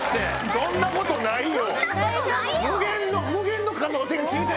そんなことないよ！